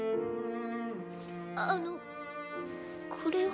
あのこれを。